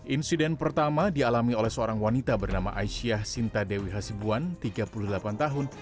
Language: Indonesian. insiden pertama dialami oleh seorang wanita bernama aisyah sinta dewi hasibuan tiga puluh delapan tahun